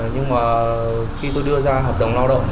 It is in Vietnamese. nhưng khi tôi đưa ra hợp đồng lao động